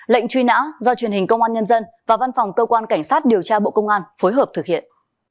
lệnh truy nã do truyền hình công an nhân dân và văn phòng cơ quan cảnh sát điều tra bộ công an phối hợp thực hiện